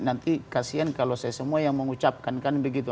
nanti kasian kalau saya semua yang mengucapkan kan begitu